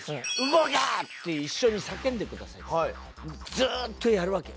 「動け」って一緒に叫んでくださいっつってずーっとやるわけ。